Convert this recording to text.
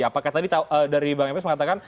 apakah tadi dari bang emis mengatakan